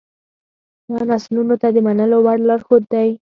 دا نسلونو ته د منلو وړ لارښود دی.